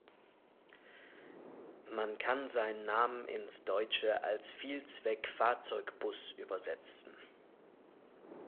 Man kann seinen Namen ins Deutsche als „Vielzweck-Fahrzeugbus“ übersetzen.